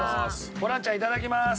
ホランちゃんいただきます！